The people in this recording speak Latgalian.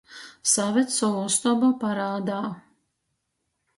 Saved sovu ustobu parādā!